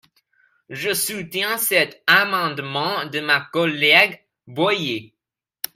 Je soutiens cet amendement de ma collègue Boyer.